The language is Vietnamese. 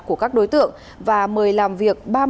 của các đối tượng và mời làm việc